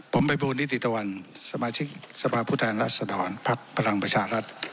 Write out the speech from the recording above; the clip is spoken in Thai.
ผมพระบูรณิติตะวันสมาชิกสภาพุทธแห่งรัฐสดรภักดิ์พลังประชาฯรัฐ